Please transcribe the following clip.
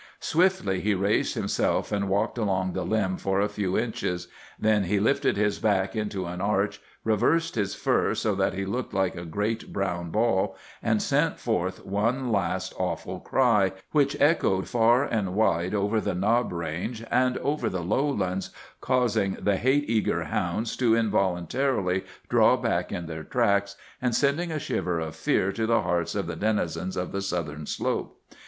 Swiftly he raised himself and walked along the limb for a few inches. Then he lifted his back into an arch, reversed his fur so that he looked like a great brown ball, and sent forth one last, awful cry, which echoed far and wide over the knob range and over the lowlands, causing the hate eager hounds to involuntarily draw back in their tracks, and sending a shiver of fear to the hearts of the denizens of the southern slope.